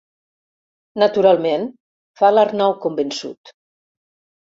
Naturalment —fa l'Arnau, convençut.